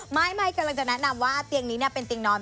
ไม่กำลังจะแนะนำว่าเตียงนี้เป็นเตียงนอน